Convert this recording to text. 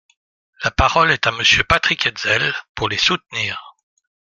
La parole est à Monsieur Patrick Hetzel, pour les soutenir.